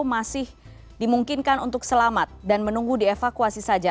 masih dimungkinkan untuk selamat dan menunggu dievakuasi saja